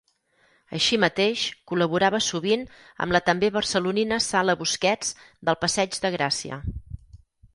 Així mateix, col·laborava sovint amb la també barcelonina Sala Busquets del Passeig de Gràcia.